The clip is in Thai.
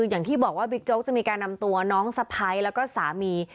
อย่างที่บอกว่าบิ๊กโจ๊กจะมีการนำตัวน้องสะพ้ายแล้วก็สามี